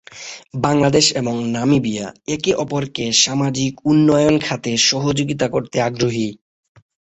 বাংলাদেশ এবং নামিবিয়া একে অপরকে সামাজিক উন্নয়ন খাতে সহযোগিতা করতে আগ্রহী।